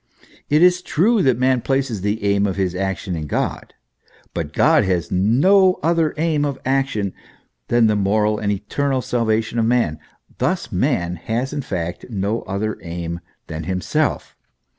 It is true that man places the aim of his action in God, but God has no other aim of action than the moral and eternal salvation of man: thus man has in fact no other aim than himself.